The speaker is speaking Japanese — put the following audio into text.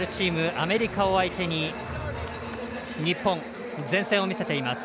アメリカを相手に日本、善戦を見せています。